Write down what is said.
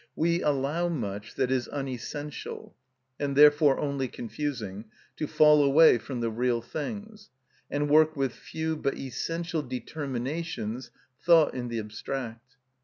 We allow much that is unessential, and therefore only confusing, to fall away from the real things, and work with few but essential determinations thought in the abstract.